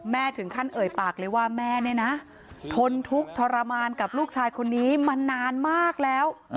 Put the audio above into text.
ถึงขั้นเอ่ยปากเลยว่าแม่เนี่ยนะทนทุกข์ทรมานกับลูกชายคนนี้มานานมากแล้ว